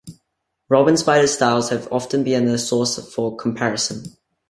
Rob and Spider's styles have often been a source for comparison.